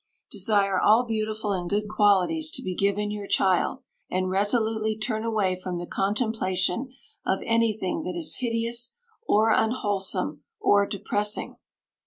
Desire all beautiful and good qualities to be given your child, and resolutely turn away from the contemplation of anything that is hideous, or unwholesome, or depressing.